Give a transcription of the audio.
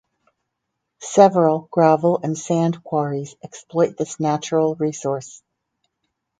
Several gravel and sand quarries exploit this natural resource.